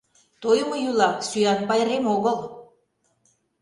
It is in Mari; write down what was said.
Тойымо йӱла сӱан пайрем огыл.